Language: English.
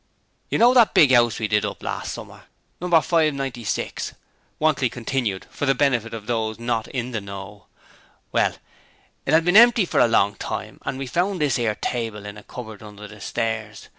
'You know, that big 'ouse we did up last summer No. 596,' Wantley continued, for the benefit of those not 'in the know'. 'Well, it 'ad bin empty for a long time and we found this 'ere table in a cupboard under the stairs.